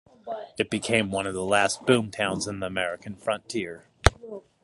It became one of the last boomtowns in the American frontier.